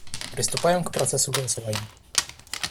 Приступаем к процессу голосования.